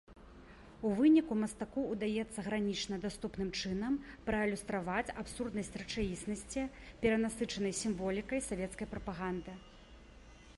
У выніку мастаку ўдаецца гранічна даступным чынам праілюстраваць абсурднасць рэчаіснасці, перанасычанай сімволікай савецкай прапаганды.